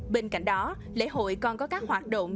bên cạnh đó lễ hội còn có các hoạt động